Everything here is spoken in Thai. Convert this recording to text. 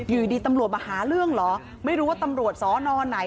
อยู่ดีตำรวจมาหาเรื่องเหรอไม่รู้ว่าตำรวจสอนอนไหน